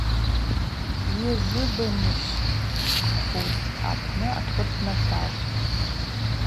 Йжвибыжьмышкӏхуз апны акыт днаталхтӏ.